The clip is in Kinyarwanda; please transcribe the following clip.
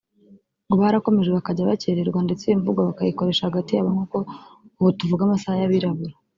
ngo barakomeje bakajya bakererwa ndetse iyo mvugo bakayikoresha hagati yabo nk’uko ubu tuvuga “amasaha y’Abirabura”